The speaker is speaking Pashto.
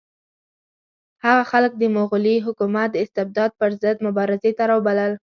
هغه خلک د مغلي حکومت د استبداد پر ضد مبارزې ته راوبلل.